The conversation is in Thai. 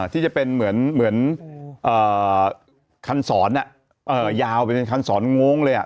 ที่จะเป็นเหมือนคันศรอะยาวไปเป็นคันศรงงเลยอะ